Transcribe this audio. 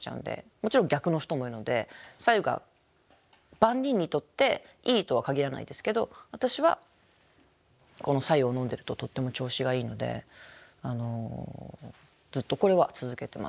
もちろん逆の人もいるので白湯が万人にとっていいとは限らないですけど私はこの白湯を飲んでるととっても調子がいいのでずっとこれは続けてます。